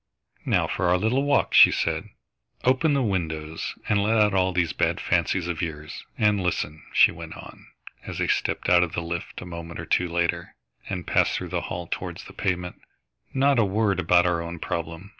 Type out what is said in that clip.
"Now for our little walk," she said. "Open the windows and let out all these bad fancies of yours. And listen," she went on, as they stepped out of the lift a moment or two later, and passed through the hall towards the pavement, "not a word about our own problem.